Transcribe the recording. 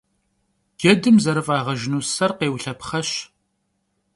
Cedım zerıf'ağejjınu ser khêulhepxheş.